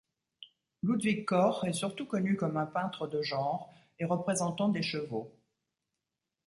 Ludwig Koch est surtout connu comme un peintre de genre et représentant des chevaux.